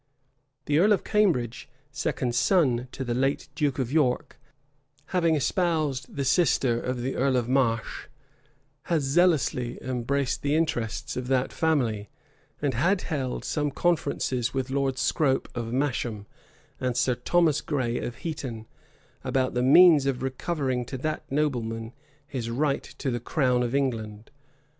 The earl of Cambridge, second son of the late duke of York, having espoused the sister of the earl of Marche, had zealously embraced the interests of that family; and had held some conferences with Lord Scrope of Masham, and Sir Thomas Grey of Heton, about the means of recovering to that nobleman his right to the crown of England.